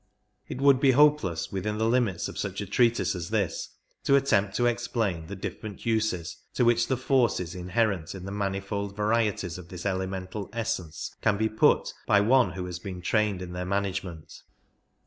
It would be hopeless within the limits of such a treatise as this to attempt to explain the different uses to which the forces inherent in the manifold varieties of this elemental essence can be put by one who has been trained in their management.